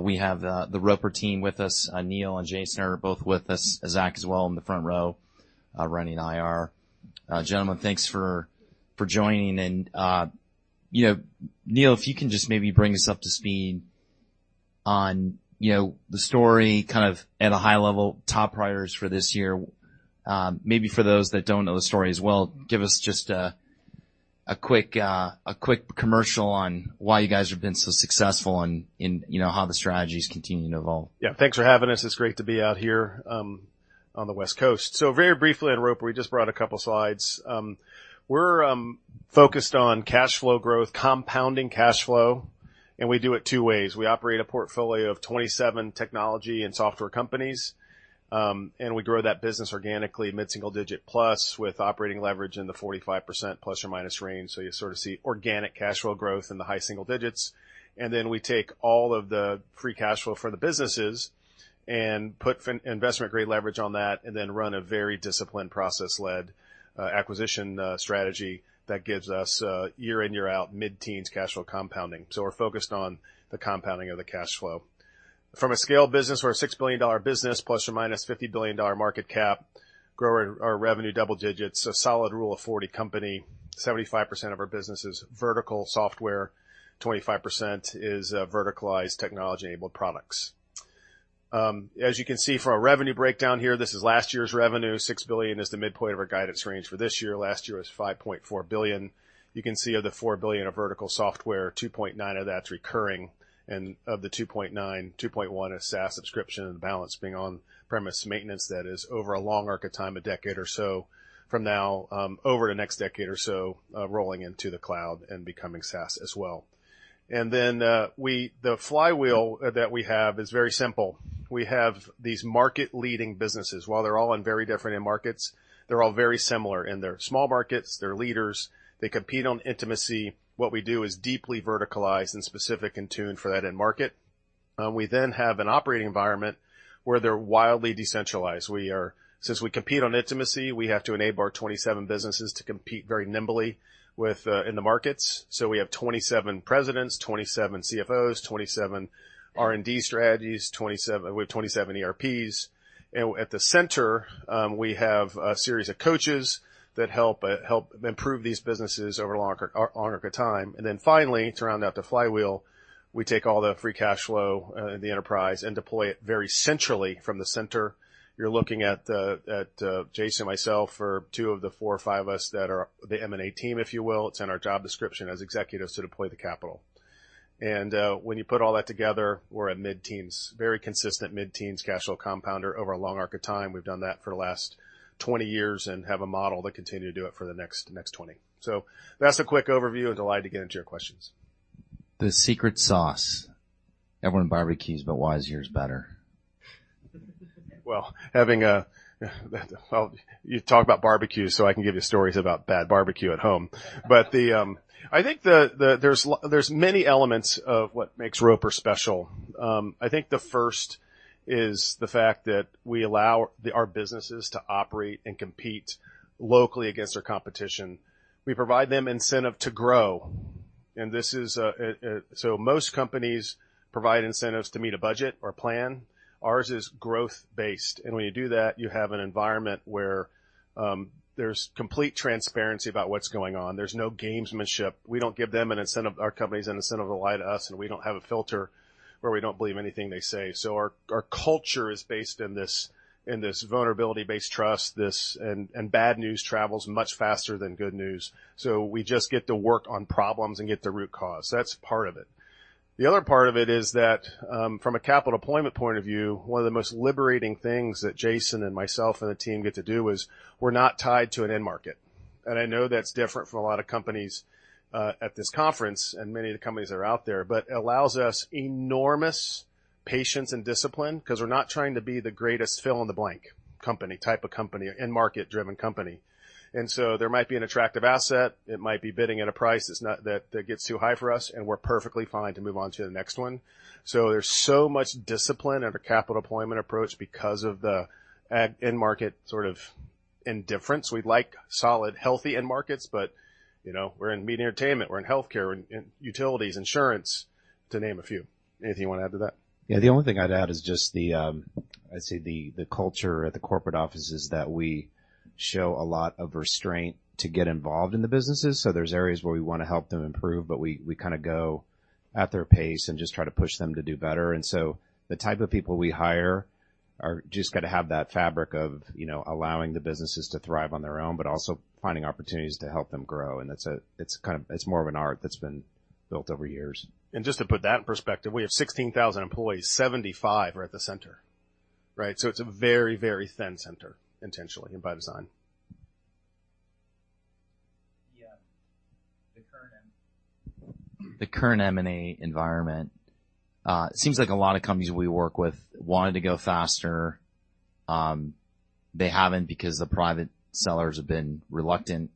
We have the Roper team with us. Neil and Jason are both with us, Zack as well, in the front row, running IR. Gentlemen, thanks for joining in. you know, Neil, if you can just maybe bring us up to speed on, you know, the story, kind of at a high level, top priorities for this year. maybe for those that don't know the story as well, give us just a quick, a quick commercial on why you guys have been so successful and in, you know, how the strategy is continuing to evolve. Yeah. Thanks for having us. It's great to be out here on the West Coast. Very briefly, at Roper, we just brought a couple of slides. We're focused on cash flow growth, compounding cash flow, and we do it two ways. We operate a portfolio of 27 technology and software companies, and we grow that business organically, mid-single-digit, plus, with operating leverage in the 45% plus or minus range. You sort of see organic cash flow growth in the high single digits. We take all of the free cash flow for the businesses and put investment-grade leverage on that, and then run a very disciplined, process-led acquisition strategy that gives us year in, year out, mid-teens cash flow compounding. We're focused on the compounding of the cash flow. From a scale business, we're a $6 billion business, ±$50 billion market cap, growing our revenue double digits, a solid Rule of 40 company, 75% of our business is vertical software, 25% is verticalized technology-enabled products. As you can see from our revenue breakdown here, this is last year's revenue. $6 billion is the midpoint of our guidance range for this year. Last year was $5.4 billion. You can see of the $4 billion of vertical software, $2.9 billion of that's recurring, and of the $2.9 billion, $2.1 billion is SaaS subscription, and the balance being on-premise maintenance. That is over a long arc of time, a decade or so from now, over the next decade or so, rolling into the cloud and becoming SaaS as well. Then, the flywheel that we have is very simple. We have these market-leading businesses. While they're all in very different end markets, they're all very similar. In they're small markets, they're leaders, they compete on intimacy. What we do is deeply verticalize and specific in tune for that end market. We then have an operating environment where they're wildly decentralized. Since we compete on intimacy, we have to enable our 27 businesses to compete very nimbly with in the markets. We have 27 presidents, 27 CFOs, 27 R&D strategies, we have 27 ERPs. At the center, we have a series of coaches that help improve these businesses over a longer, long arc of time. Finally, to round out the flywheel, we take all the free cash flow in the enterprise and deploy it very centrally from the center. You're looking at Jason and myself are two of the four or five us that are the M&A team, if you will. It's in our job description as executives to deploy the capital. When you put all that together, we're at mid-teens, very consistent mid-teens cash flow compounder over a long arc of time. We've done that for the last 20 years and have a model that continue to do it for the next 20. That's a quick overview, and delighted to get into your questions. The secret sauce. Everyone barbecues, but why is yours better? You talk about barbecue, so I can give you stories about bad barbecue at home. I think there's many elements of what makes Roper special. I think the first is the fact that we allow our businesses to operate and compete locally against their competition. We provide them incentive to grow, and this is... Most companies provide incentives to meet a budget or plan. Ours is growth-based, and when you do that, you have an environment where there's complete transparency about what's going on. There's no gamesmanship. We don't give them an incentive, our companies an incentive to lie to us, and we don't have a filter where we don't believe anything they say. Our, our culture is based in this, in this vulnerability-based trust, this... Bad news travels much faster than good news, so we just get to work on problems and get the root cause. That's part of it. The other part of it is that, from a capital deployment point of view, one of the most liberating things that Jason and myself and the team get to do is we're not tied to an end market. I know that's different from a lot of companies at this conference and many of the companies that are out there, but it allows us enormous patience and discipline because we're not trying to be the greatest fill in the blank company, type of company, end market-driven company. There might be an attractive asset. It might be bidding at a price that's not that gets too high for us, we're perfectly fine to move on to the next one. There's so much discipline in our capital deployment approach because of the end market sort of indifference. We'd like solid, healthy end markets, you know, we're in media entertainment, we're in healthcare, we're in utilities, insurance, to name a few. Anything you want to add to that? Yeah, the only thing I'd add is just the, I'd say the culture at the corporate office is that we show a lot of restraint to get involved in the businesses. There's areas where we want to help them improve, but we kind of go at their pace and just try to push them to do better. The type of people we hire are just gonna have that fabric of, you know, allowing the businesses to thrive on their own, but also finding opportunities to help them grow. It's more of an art that's been built over years. Just to put that in perspective, we have 16,000 employees, 75 are at the center, right? It's a very, very thin center, intentionally and by design. Yeah. The current M&A environment seems like a lot of companies we work with wanted to go faster. They haven't, because the private sellers have been reluctant.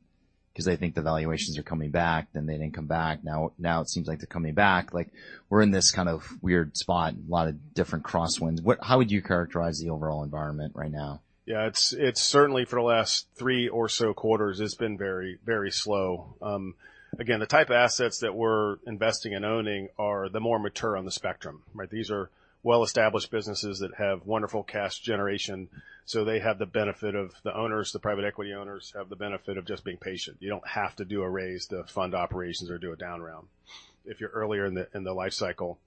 Because they think the valuations are coming back, they didn't come back. Now it seems like they're coming back. Like, we're in this kind of weird spot and a lot of different crosswinds. How would you characterize the overall environment right now? Yeah, it's certainly for the last three or so quarters, it's been very, very slow. The type of assets that we're investing and owning are the more mature on the spectrum, right? These are well-established businesses that have wonderful cash generation. They have the benefit of the owners. The private equity owners have the benefit of just being patient. You don't have to do a raise to fund operations or do a down round if you're earlier in the life cycle.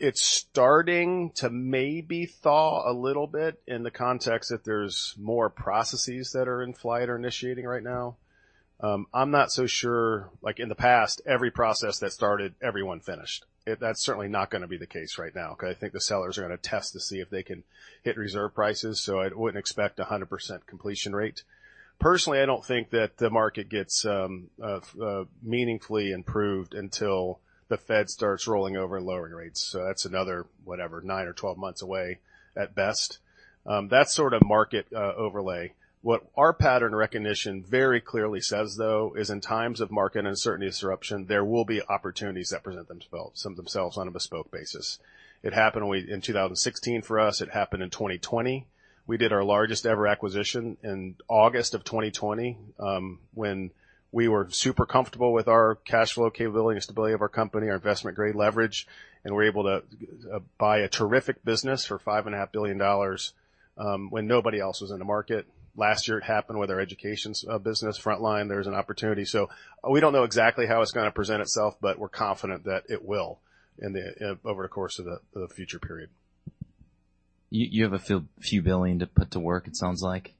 It's starting to maybe thaw a little bit in the context that there's more processes that are in flight or initiating right now. I'm not so sure... Like, in the past, every process that started, everyone finished. That's certainly not gonna be the case right now, okay? I think the sellers are gonna test to see if they can hit reserve prices, I wouldn't expect 100% completion rate. Personally, I don't think that the market gets meaningfully improved until the Fed starts rolling over and lowering rates. That's another, whatever, nine or twelve months away at best. That's sort of market overlay. What our pattern recognition very clearly says, though, is in times of market uncertainty, disruption, there will be opportunities that present themselves on a bespoke basis. It happened in 2016 for us, it happened in 2020. We did our largest-ever acquisition in August of 2020, when we were super comfortable with our cash flow capability and stability of our company, our investment-grade leverage, and we were able to buy a terrific business for five and a half billion dollars, when nobody else was in the market. Last year, it happened with our education business Frontline. There was an opportunity. We don't know exactly how it's gonna present itself, but we're confident that it will in the over the course of the future period. You have a few billion to put to work, it sounds like?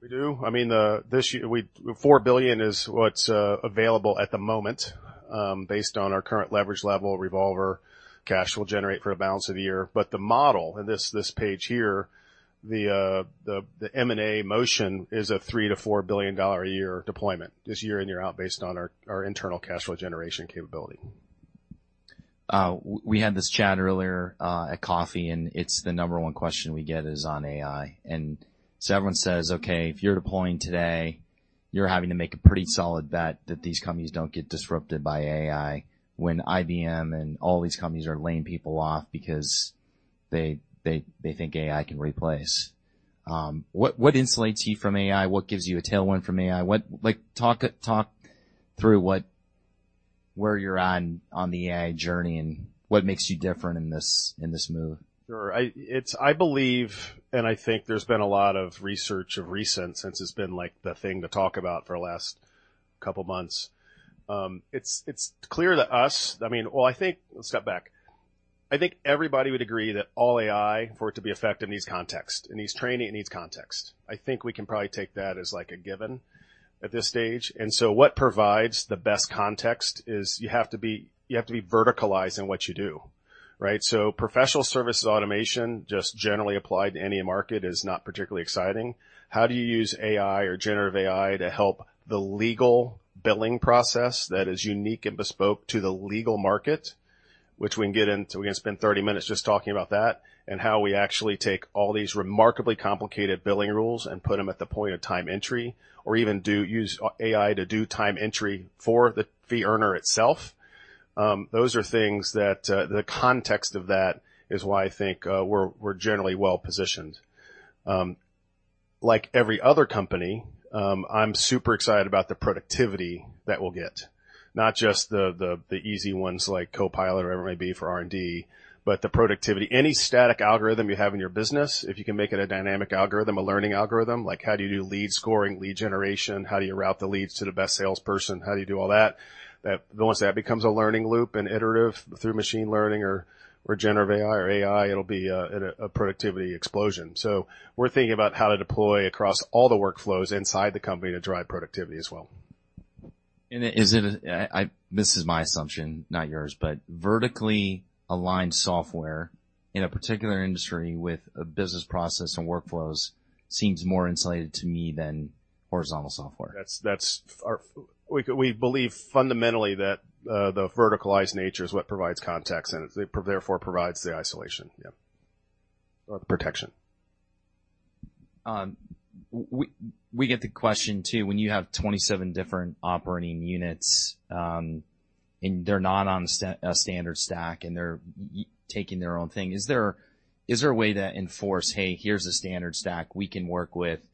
We do. I mean, this year, $4 billion is what's available at the moment, based on our current leverage level, revolver, cash will generate for the balance of the year. The model, and this page here, the M&A motion is a $3 billion-$4 billion a year deployment, just year in, year out, based on our internal cash flow generation capability. We had this chat earlier at coffee, and it's the number one question we get is on AI. Everyone says: "Okay, if you're deploying today, you're having to make a pretty solid bet that these companies don't get disrupted by AI, when IBM and all these companies are laying people off because they think AI can replace." What insulates you from AI? What gives you a tailwind from AI? What? Talk through where you're on the AI journey and what makes you different in this move? Sure. It's, I believe, and I think there's been a lot of research of recent, since it's been, like, the thing to talk about for the last couple of months. It's clear to us... I mean, well, I think... Let's step back. I think everybody would agree that all AI, for it to be effective, needs context. It needs training, it needs context. I think we can probably take that as, like, a given at this stage. What provides the best context is you have to be, you have to be verticalized in what you do, right? Professional services automation, just generally applied to any market, is not particularly exciting. How do you use AI or generative AI to help the legal billing process that is unique and bespoke to the legal market? Which we can get into. We can spend 30 minutes just talking about that and how we actually take all these remarkably complicated billing rules and put them at the point of time entry, or even use AI to do time entry for the fee earner itself. Those are things that the context of that is why I think we're generally well positioned. Like every other company, I'm super excited about the productivity that we'll get, not just the, the easy ones like Copilot or whatever it may be for R&D, but the productivity. Any static algorithm you have in your business, if you can make it a dynamic algorithm, a learning algorithm, like how do you do lead scoring, lead generation, how do you route the leads to the best salesperson? How do you do all that? Once that becomes a learning loop and iterative through machine learning or generative AI or AI, it'll be a productivity explosion. We're thinking about how to deploy across all the workflows inside the company to drive productivity as well. This is my assumption, not yours, but vertically aligned software in a particular industry with a business process and workflows seems more insulated to me than horizontal software. That's our. We believe fundamentally that, the verticalized nature is what provides context, and it therefore provides the isolation. Yeah, or the protection. We, we get the question, too, when you have 27 different operating units, and they're not on a standard stack, and they're taking their own thing, is there, is there a way to enforce, "Hey, here's a standard stack. We can work with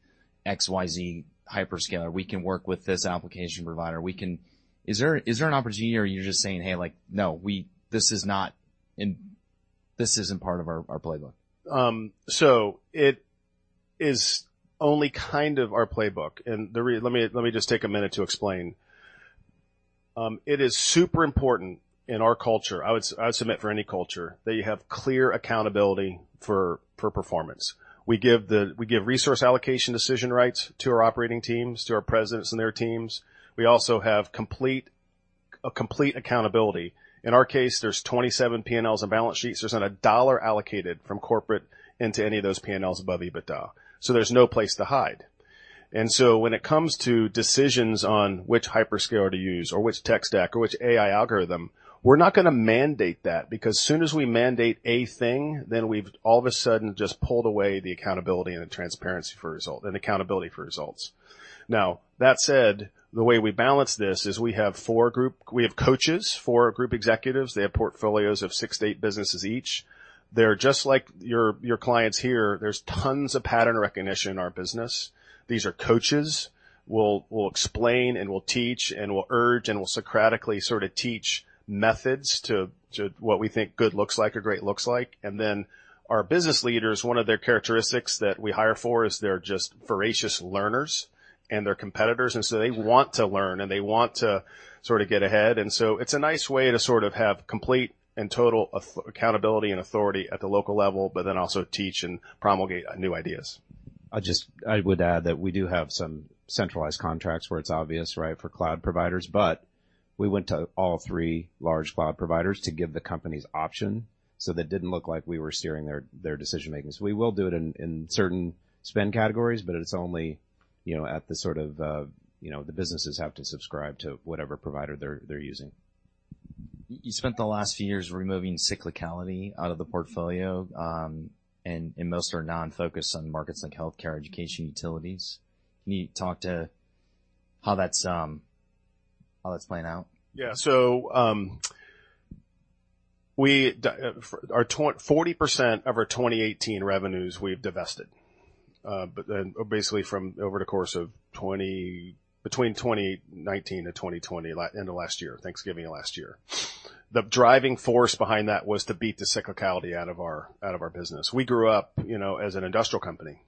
X, Y, Z hyperscaler. We can work with this application provider. We can..." Is there, is there an opportunity, or are you just saying, "Hey, like, no, this isn't part of our playbook? It is only kind of our playbook. Let me just take a minute to explain. It is super important in our culture, I would submit for any culture, that you have clear accountability for performance. We give resource allocation decision rights to our operating teams, to our presidents and their teams. We also have a complete accountability. In our case, there's 27 P&Ls and balance sheets. There's not a dollar allocated from corporate into any of those P&Ls above EBITDA, there's no place to hide. When it comes to decisions on which hyperscaler to use or which tech stack or which AI algorithm, we're not gonna mandate that, because as soon as we mandate a thing, then we've all of a sudden just pulled away the accountability and the transparency for accountability for results. Now, that said, the way we balance this is we have coaches, four group executives. They have portfolios of 6 to 8 businesses each. They're just like your clients here. There's tons of pattern recognition in our business. These are coaches, will explain and will teach and will urge, and will Socratically sort of teach methods to what we think good looks like or great looks like. Our business leaders, one of their characteristics that we hire for is they're just voracious learners and they're competitors, and so they want to learn, and they want to sort of get ahead. It's a nice way to sort of have complete and total accountability and authority at the local level, but then also teach and promulgate new ideas. I would add that we do have some centralized contracts where it's obvious, right, for cloud providers. We went to all three large cloud providers to give the companies option, so that it didn't look like we were steering their decision-making. We will do it in certain spend categories, but it's only, you know, at the sort of, you know, the businesses have to subscribe to whatever provider they're using. You spent the last few years removing cyclicality out of the portfolio, and most are non-focused on markets like healthcare, education, utilities. Can you talk to how that's playing out? Yeah. Our 40% of our 2018 revenues, we've divested. Basically, from over the course of, between 2019 to 2020, end of last year, Thanksgiving of last year, the driving force behind that was to beat the cyclicality out of our business. We grew up, you know, as an industrial company,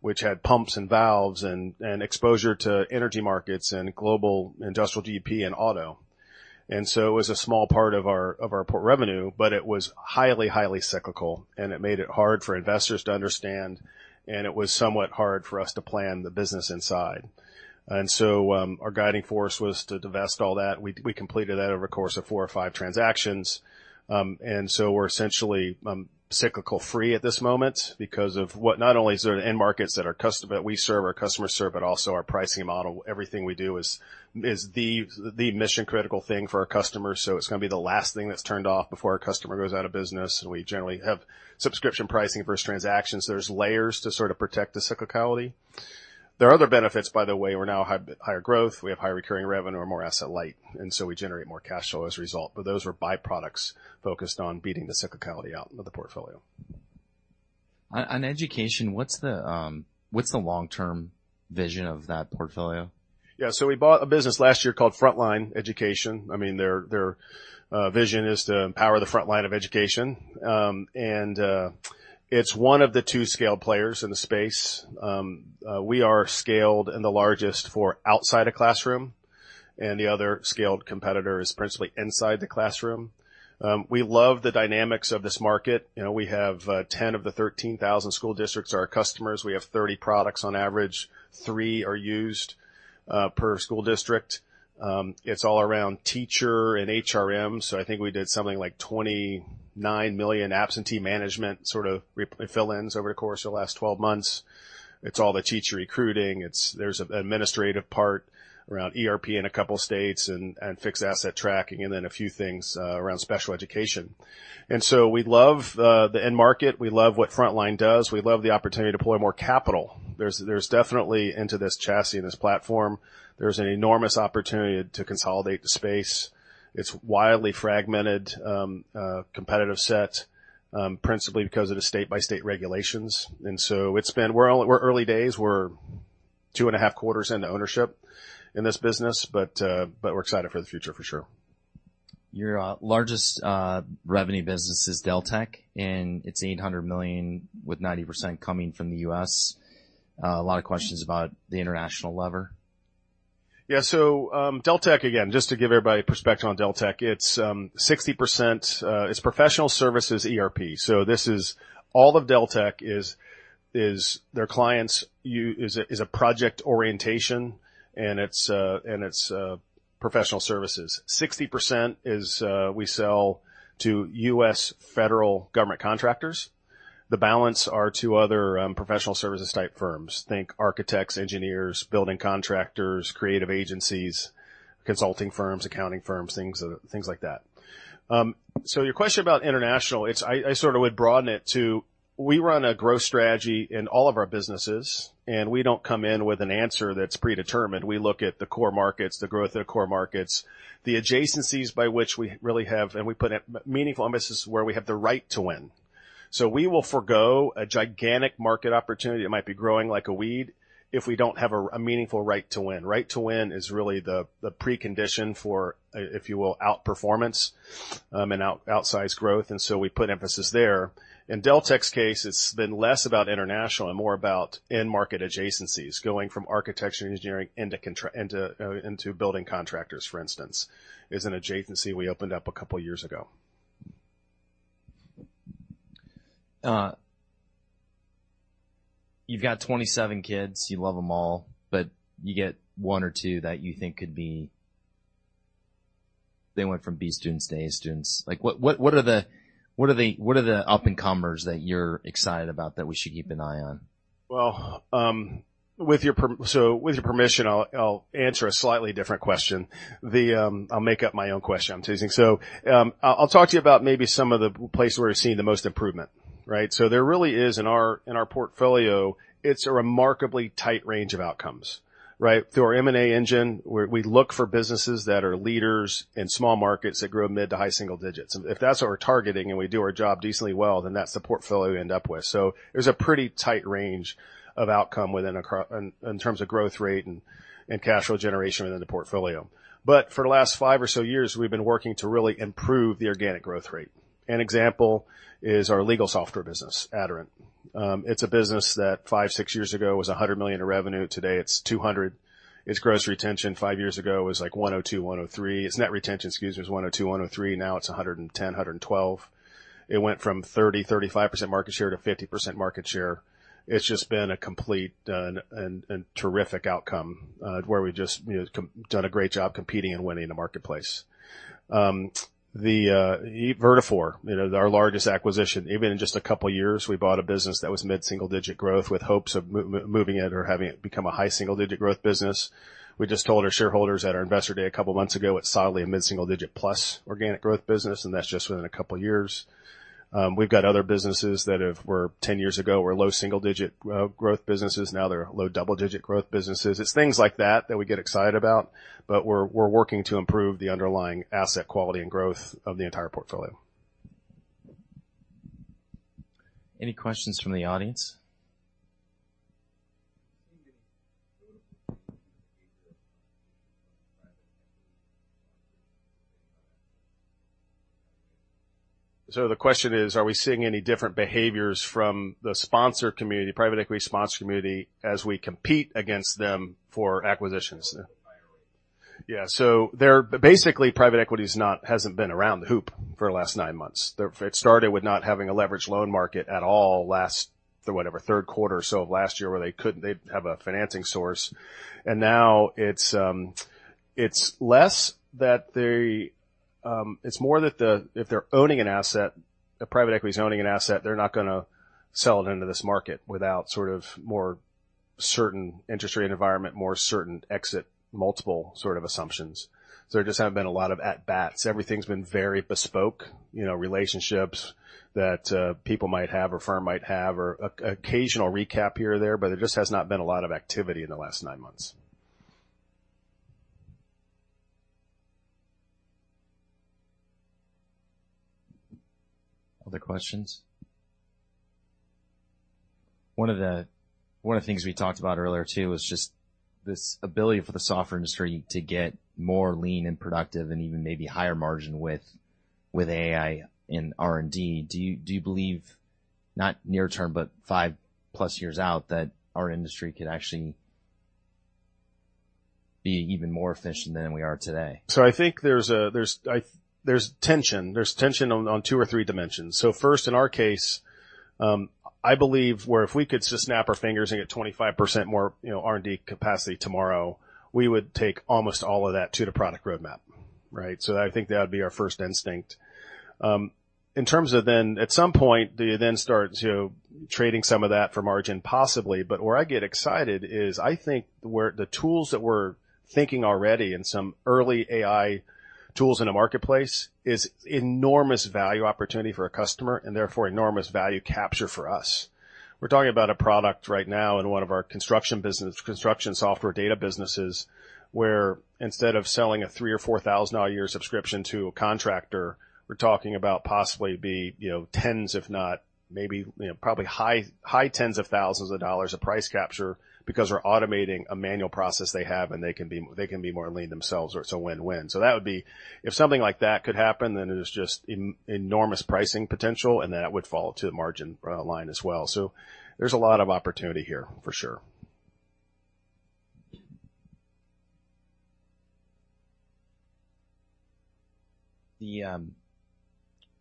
which had pumps and valves and exposure to energy markets and global industrial GP and auto. It was a small part of our port revenue, but it was highly cyclical, and it made it hard for investors to understand, and it was somewhat hard for us to plan the business inside. Our guiding force was to divest all that. We completed that over a course of 4 or 5 transactions. We're essentially cyclical free at this moment because of what. Not only is there the end markets that our customer that we serve, our customers serve, but also our pricing model. Everything we do is the mission-critical thing for our customers, so it's gonna be the last thing that's turned off before our customer goes out of business. We generally have subscription pricing versus transactions, so there's layers to sort of protect the cyclicality. There are other benefits, by the way. We're now higher growth. We have higher recurring revenue and more asset light, we generate more cash flow as a result. Those were byproducts focused on beating the cyclicality out of the portfolio. On education, what's the long-term vision of that portfolio? Yeah, we bought a business last year called Frontline Education. I mean, their vision is to empower the front line of education, it's one of the two scale players in the space. We are scaled and the largest for outside of classroom, the other scaled competitor is principally inside the classroom. We love the dynamics of this market. You know, we have 10 of the 13,000 school districts are our customers. We have 30 products. On average, three are used per school district. It's all around teacher and HRM, I think we did something like $29 million absentee management, sort of, fill-ins over the course of the last 12 months. It's all the teacher recruiting. It's... There's an administrative part around ERP in a couple of states and fixed asset tracking, and then a few things around special education. We love the end market. We love what Frontline does. We love the opportunity to deploy more capital. There's definitely into this chassis and this platform, there's an enormous opportunity to consolidate the space. It's wildly fragmented, competitive set, principally because of the state-by-state regulations. It's been. We're early days. We're two and a half quarters into ownership in this business, but we're excited for the future, for sure. Your largest revenue business is Deltek, and it's $800 million, with 90% coming from the U.S. A lot of questions about the international lever. Yeah. Deltek, again, just to give everybody perspective on Deltek, it's 60% it's professional services ERP. All of Deltek is their clients is a project orientation, and it's professional services. 60% is we sell to U.S. federal government contractors. The balance are to other professional services type firms. Think architects, engineers, building contractors, creative agencies, consulting firms, accounting firms, things like that. Your question about international, it's I sort of would broaden it to, we run a growth strategy in all of our businesses, and we don't come in with an answer that's predetermined. We look at the core markets, the growth of the core markets, the adjacencies by which we really have, and we put meaningful emphasis where we have the right to win. We will forgo a gigantic market opportunity that might be growing like a weed if we don't have a meaningful right to win. Right to win is really the precondition for, if you will, outperformance and outsized growth. We put emphasis there. In Deltek's case, it's been less about international and more about end market adjacencies. Going from architecture and engineering into building contractors, for instance, is an adjacency we opened up a couple of years ago. you've got 27 kids, you love them all, you get one or two that you think they went from B students to A students. Like, what are the up-and-comers that you're excited about that we should keep an eye on? Well, with your permission, I'll answer a slightly different question. I'll make up my own question. I'm teasing. I'll talk to you about maybe some of the places where we're seeing the most improvement, right? There really is, in our portfolio, it's a remarkably tight range of outcomes, right? Through our M&A engine, we look for businesses that are leaders in small markets that grow mid to high single digits. If that's what we're targeting, and we do our job decently well, then that's the portfolio we end up with. There's a pretty tight range of outcome within terms of growth rate and cash flow generation within the portfolio. For the last 5 or so years, we've been working to really improve the organic growth rate. An example is our legal software business, Aderant. It's a business that five, six years ago was $100 million in revenue. Today, it's $200 million. Its gross retention five years ago was, like, 102%, 103%. Its net retention, excuse me, was 102%, 103%. Now it's 110%, 112%. It went from 30%-35% market share to 50% market share. It's just been a complete, and terrific outcome, where we just, you know, done a great job competing and winning in the marketplace. The Vertafore, you know, our largest acquisition. Even in just a couple of years, we bought a business that was mid-single-digit growth, with hopes of moving it or having it become a high single-digit growth business. We just told our shareholders at our investor day a couple of months ago, it's solidly a mid-single-digit+ organic growth business. That's just within a couple of years. We've got other businesses that were 10 years ago, were low single-digit growth businesses. Now they're low double-digit growth businesses. It's things like that that we get excited about. We're, we're working to improve the underlying asset quality and growth of the entire portfolio. Any questions from the audience? The question is, are we seeing any different behaviors from the sponsor community, private equity sponsor community, as we compete against them for acquisitions? Yeah. They're basically, private equity hasn't been around the hoop for the last nine months. It started with not having a leveraged loan market at all last, through whatever, third quarter or so of last year, where they couldn't have a financing source. Now it's less that they... It's more that if they're owning an asset, a private equity is owning an asset, they're not gonna sell it into this market without sort of more certain interest rate environment, more certain exit, multiple sort of assumptions. There just haven't been a lot of at-bats. Everything's been very bespoke, you know, relationships that people might have, or firm might have, or occasional recap here or there. There just has not been a lot of activity in the last nine months. Other questions? One of the things we talked about earlier, too, was just this ability for the software industry to get more lean and productive and even maybe higher margin with AI and R&D. Do you believe, not near term, but 5+ years out, that our industry could actually be even more efficient than we are today? I think there's tension on two or three dimensions. First, in our case, I believe where if we could just snap our fingers and get 25% more, you know, R&D capacity tomorrow, we would take almost all of that to the product roadmap, right? In terms of then, at some point, do you then start to trading some of that for margin? Possibly, but where I get excited is I think where the tools that we're thinking already in some early AI tools in the marketplace is enormous value opportunity for a customer and therefore enormous value capture for us. We're talking about a product right now in one of our construction business, construction software data businesses, where instead of selling a $3,000 or $4,000 a year subscription to a contractor, we're talking about possibly, you know, tens, if not, maybe, you know, probably high tens of thousands of dollars a price capture because we're automating a manual process they have, and they can be more lean themselves, or it's a win-win. That would be. If something like that could happen, then it is just enormous pricing potential. That would fall to the margin line as well. There's a lot of opportunity here, for sure.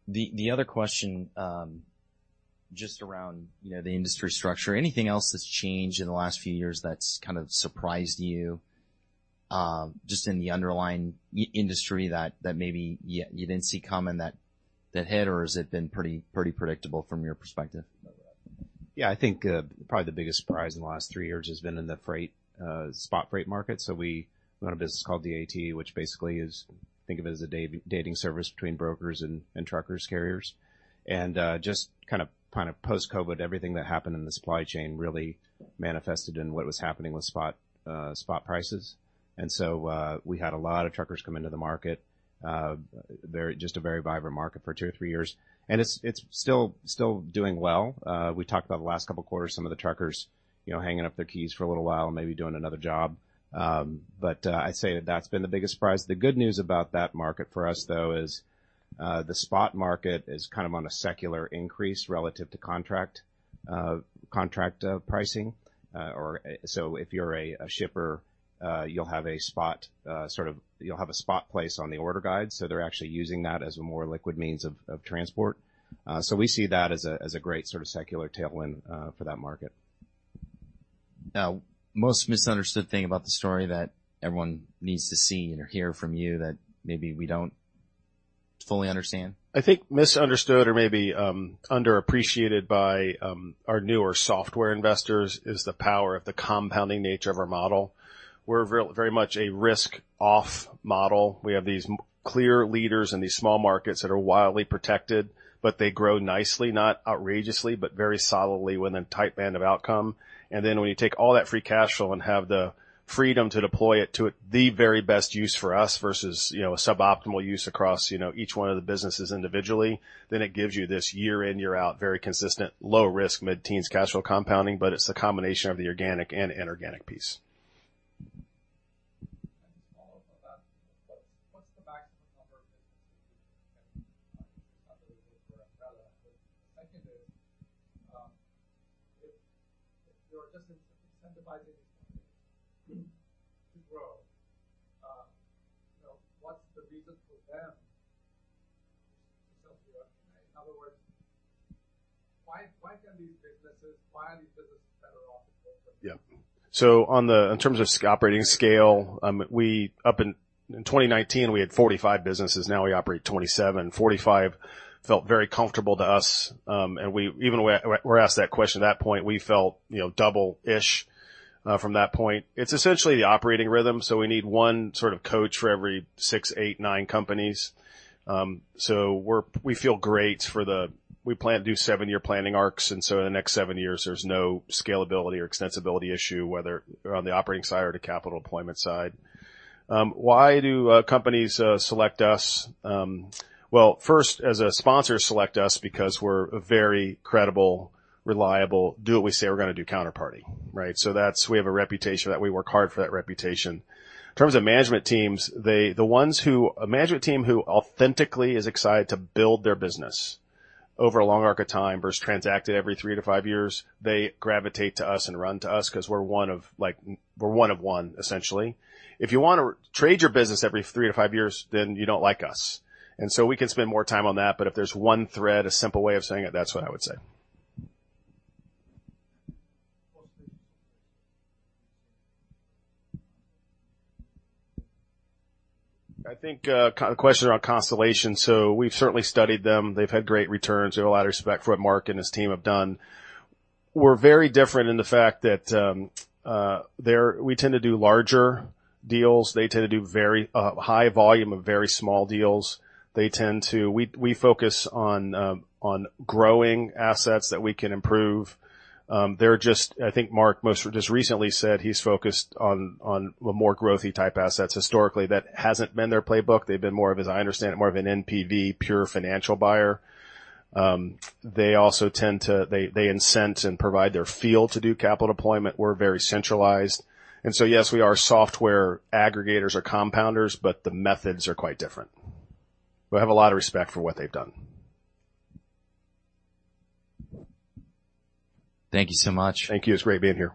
The other question, just around, you know, the industry structure, anything else that's changed in the last few years that's kind of surprised you, just in the underlying industry that maybe you didn't see coming that hit, or has it been pretty predictable from your perspective? Yeah, I think probably the biggest surprise in the last three years has been in the freight spot freight market. We run a business called DAT, which basically is, think of it as a dating service between brokers and truckers, carriers. Just kind of post-COVID, everything that happened in the supply chain really manifested in what was happening with spot spot prices. We had a lot of truckers come into the market, just a very vibrant market for two or three years, and it's still doing well. We talked about the last couple of quarters, some of the truckers, you know, hanging up their keys for a little while and maybe doing another job. I'd say that's been the biggest surprise. The good news about that market for us, though, is the spot market is kind of on a secular increase relative to contract pricing, or if you're a shipper, you'll have a spot, sort of, a spot place on the order guide. They're actually using that as a more liquid means of transport. We see that as a great sort of secular tailwind for that market. Most misunderstood thing about the story that everyone needs to see or hear from you that maybe we don't fully understand? I think misunderstood or maybe underappreciated by our newer software investors is the power of the compounding nature of our model. We're very much a risk-off model. We have these clear leaders in these small markets that are wildly protected, but they grow nicely, not outrageously, but very solidly within a tight band of outcome. When you take all that free cash flow and have the freedom to deploy it to the very best use for us versus, you know, a suboptimal use across, you know, each one of the businesses individually, then it gives you this year in, year out, very consistent, low risk, mid-teens cash flow compounding. It's a combination of the organic and inorganic piece. To follow up on that, what's the maximum number of businesses under your umbrella? The second is, if you're just incentivizing these companies to grow, you know, what's the reason for them to sell to you? In other words, why can these businesses, why are these businesses better off with you? Yeah. On the... In terms of operating scale, up in 2019, we had 45 businesses, now we operate 27. 45 felt very comfortable to us, and we even when we're asked that question, at that point, we felt, you know, double-ish from that point. It's essentially the operating rhythm, so we need 1 sort of coach for every 6, 8, 9 companies. We feel great for the... We plan to do 7-year planning arcs, and so in the next 7 years, there's no scalability or extensibility issue, whether on the operating side or the capital deployment side. Why do companies select us? Well, first, as a sponsor, select us because we're a very credible, reliable, do what we say we're going to do counterparty, right? We have a reputation that we work hard for that reputation. In terms of management teams, a management team who authentically is excited to build their business over a long arc of time versus transacted every 3 to 5 years, they gravitate to us and run to us because we're one of like, we're one of one, essentially. If you want to trade your business every 3 to 5 years, then you don't like us. We can spend more time on that, but if there's one thread, a simple way of saying it, that's what I would say. I think, the question around Constellation. We've certainly studied them. They've had great returns. We have a lot of respect for what Mark and his team have done. We're very different in the fact that we tend to do larger deals. They tend to do very high volume of very small deals. We focus on growing assets that we can improve. I think Mark most just recently said he's focused on more growthy type assets. Historically, that hasn't been their playbook. They've been more of, as I understand it, more of an NPV, pure financial buyer. They also tend to incent and provide their field to do capital deployment. We're very centralized, and so, yes, we are software aggregators or compounders, but the methods are quite different. We have a lot of respect for what they've done. Thank you so much. Thank you. It's great being here.